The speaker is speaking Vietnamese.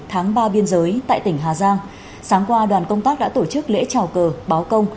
tháng ba biên giới tại tỉnh hà giang sáng qua đoàn công tác đã tổ chức lễ trào cờ báo công